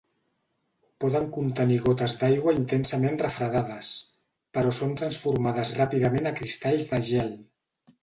Poden contenir gotes d'aigua intensament refredades, però són transformades ràpidament a cristalls de gel.